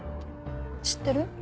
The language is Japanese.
知ってる？